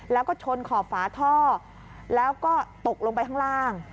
แล้วก็ชนขอบฝาท่อแล้วก็ตกลงไปข้างล่าง